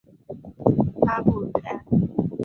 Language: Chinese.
拉布吕埃。